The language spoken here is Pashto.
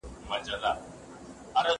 بې ځایه خوشالۍ نه لټول کېږي.